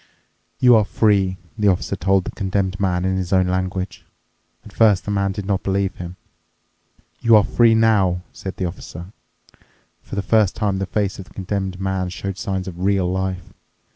"You are free," the Officer told the Condemned Man in his own language. At first the man did not believe him. "You are free now," said the Officer. For the first time the face of the Condemned Man showed signs of real life.